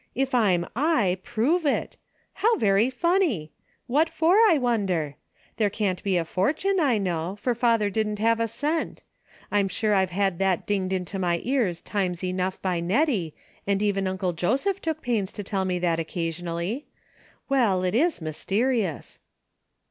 If I'm I, prove it ! How very funny ! What for, I wonder ? There can't be a fortune, I know, for father didn't have a cent. I'm sure I've had that dinged into my ears times enough by Nettie, and even Uncle Joseph took pains to tell me that occa sionally. Well, it is mysterious."